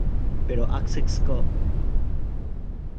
Pero Access Co.